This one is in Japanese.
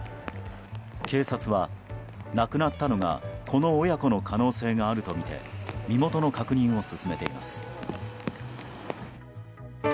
警察は、亡くなったのがこの親子の可能性があるとみて身元の確認を進めています。